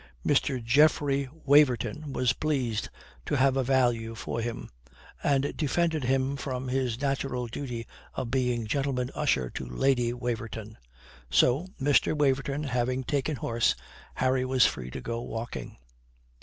Mr. Geoffrey Waverton was pleased to have a value for him, and defended him from his natural duty of being gentleman usher to Lady Waverton. So, Mr. Waverton having taken horse, Harry was free to go walking.